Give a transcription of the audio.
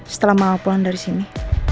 setelah mama pulang dari sini